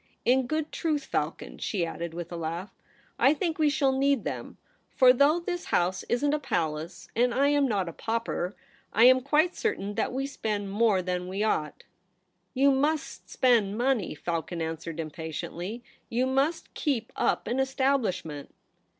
In good truth, Falcon,' she added, with a laugh, ' I think we shall need them ; for though this house isn't a palace, and I am not a pauper, I am quite certain that we spend more than we ought' ' You mus^ spend money,' Falcon answered impatiently. ' You must keep up an estab lishment.'